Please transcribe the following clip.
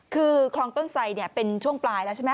คือคลองต้นไสเป็นช่วงปลายแล้วใช่ไหม